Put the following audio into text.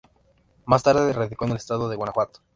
Más tarde radicó en el estado de Guanajuato.